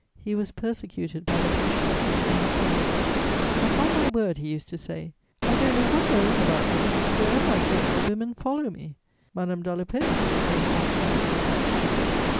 He was persecuted by the passions which he inspired: "Upon my word," he used to say, "I don't know what there is about me; wherever I go the women follow me. Madame d'Alopeus became obstinately attached to me."